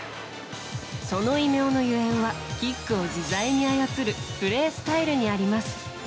その異名のゆえんはキックを自在に操るプレースタイルにあります。